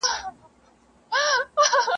ځان به خلاص کړو له دریم شریک ناولي !.